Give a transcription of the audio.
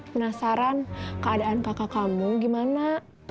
penasaran keadaan kakak kamu gimana